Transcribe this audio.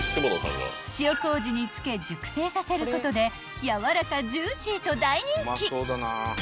［塩こうじにつけ熟成させることでやわらかジューシーと大人気］